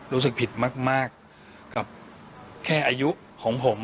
รู้สึกผิดมากกับแค่อายุของผม